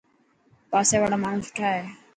پاسي واڙا ماڻهو سٺا هي.